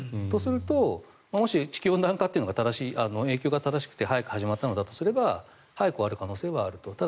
とするともし地球温暖化の影響が正しくて早く始まったのだとすれば早く終わる可能性はあると。